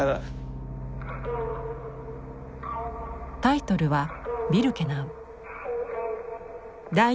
タイトルは「ビルケナウ」。